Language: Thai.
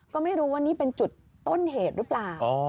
ก็ไม่รู้ว่านี่เป็นจุดต้นเหตุหรือเปล่า